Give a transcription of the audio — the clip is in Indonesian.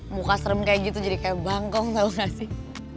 muka serem kayak gitu jadi kayak bangkok tau gak sih